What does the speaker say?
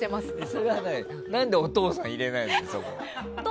それは何でお父さん入れないの？